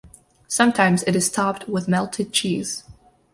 Sometimes it is topped with melted cheese.